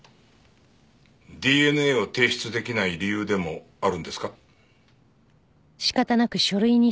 ＤＮＡを提出できない理由でもあるんですか？